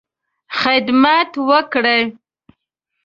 خدمت وکړې.